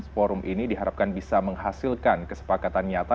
forum ini diharapkan bisa menghasilkan kesepakatan nyata